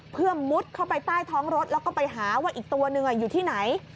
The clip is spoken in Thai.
เพื่อมุดเข้าไปใต้ท้องรถแล้วก็ไปหาว่าอีกตัวหนึ่งอยู่ที่ไหน